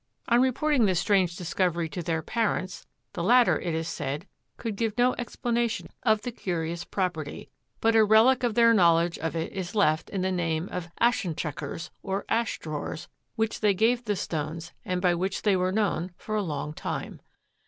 On reporting this strange discovery to their parents the latter, it is said, could give no explanation of the curious property, but a relic of their knowledge of it is left in the name of "aschentreckers" or "ash drawers" which they gave the stones and by which they were known for a long time.